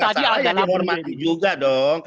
kalau tidak salah ya dihormati juga dong